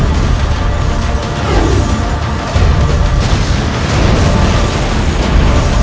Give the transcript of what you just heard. bagian tengah istana masih kosong